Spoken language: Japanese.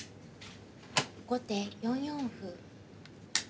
後手４四歩。